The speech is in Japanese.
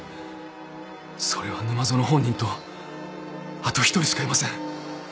それは沼園本人とあと一人しかいません。